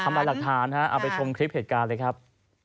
ลายหลักฐานฮะเอาไปชมคลิปเหตุการณ์เลยครับ